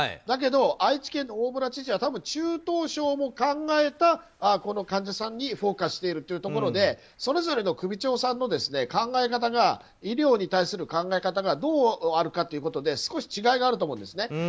だけど、愛知県の大村知事は中等症も考えた患者さんにフォーカスしているというところでそれぞれの首長さんの医療に対する考え方がどうあるかということで少し違いがあると思います。